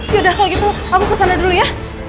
ya udah kalau gitu aku kesana dulu ya